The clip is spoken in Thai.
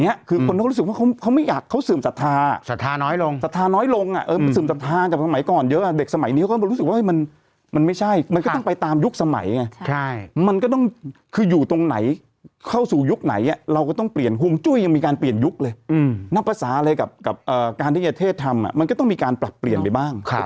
อย่างนี้คือคนก็รู้สึกว่าเขาไม่อยาก